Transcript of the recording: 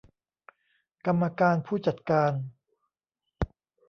กรรมการผู้จัดการ